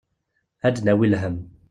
Ad d-nawi lhemm.